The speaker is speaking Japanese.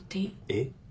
えっ？